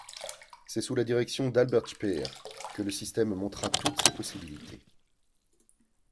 C'est sous la direction d'Albert Speer que le système montra toutes ses possibilités.